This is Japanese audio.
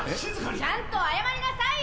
ちゃんと謝りなさいよ。